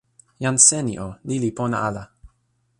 jan Seni o, ni li pona ala.